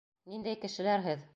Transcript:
Ниндәй кешеләр һеҙ?